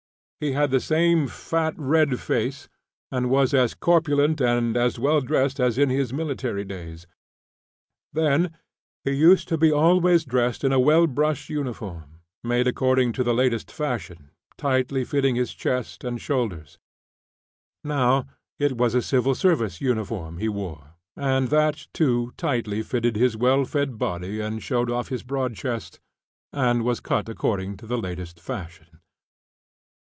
He had the same fat red face, and was as corpulent and as well dressed as in his military days. Then, he used to be always dressed in a well brushed uniform, made according to the latest fashion, tightly fitting his chest and shoulders; now, it was a civil service uniform he wore, and that, too, tightly fitted his well fed body and showed off his broad chest, and was cut according to the latest fashion.